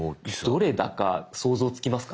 どれだか想像つきますか？